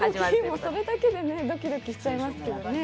もうそれだけでドキドキしちゃいますけどね。